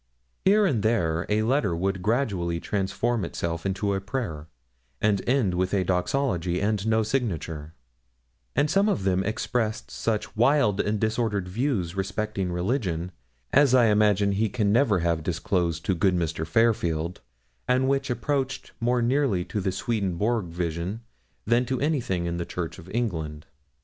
Here and there a letter would gradually transform itself into a prayer, and end with a doxology and no signature; and some of them expressed such wild and disordered views respecting religion, as I imagine he can never have disclosed to good Mr. Fairfield, and which approached more nearly to the Swedenborg visions than to anything in the Church of England.